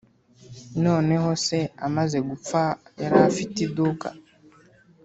noneho se amaze gupfa, yari afite iduka.